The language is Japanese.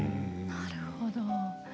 なるほど。